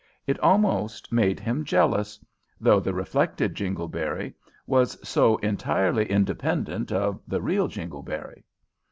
It almost made him jealous, though, the reflected Jingleberry was so entirely independent of the real Jingleberry.